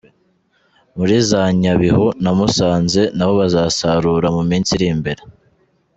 Muri za Nyabihu na Musanze nabo bazasarura mu minsi iri imbere.